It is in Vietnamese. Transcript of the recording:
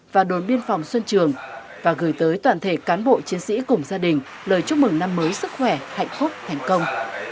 và đồn biên phòng xuân trường và gửi tới toàn thể cán bộ chiến sĩ cùng gia đình lời chúc mừng năm mới sức khỏe hạnh phúc thành công